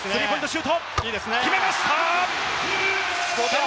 シュート、決めました。